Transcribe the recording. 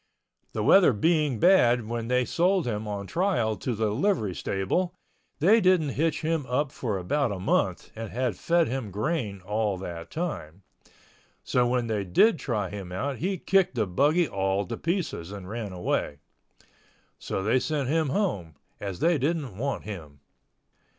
The weather being bad when they sold him on trial to the livery stable they didn't hitch him up for about a month and had fed him grain all that time. So when they did try him out he kicked the buggy all to pieces and ran away. So they sent him home, as they didn't want him.